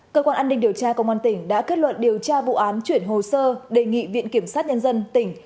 cơ quan an ninh điều tra công an tỉnh đã kết luận điều tra vụ án chuyển hồ sơ đề nghị viện kiểm sát nhân dân tỉnh